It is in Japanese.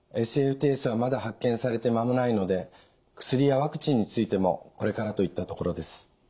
ＳＦＴＳはまだ発見されて間もないので薬やワクチンについてもこれからといったところです。